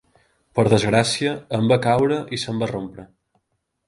Per desgràcia, em va caure i se'm va rompre.